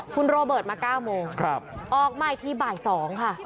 คุณโรเบิร์ตมา๙โมงออกมาที่บ่าย๒ค่ะนะครับ